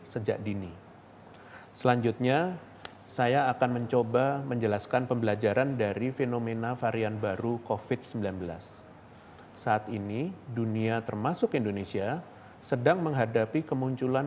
saat ini dunia termasuk indonesia sedang menghadapi kemunculan